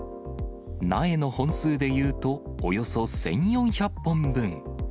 苗の本数でいうと、およそ１４００本分。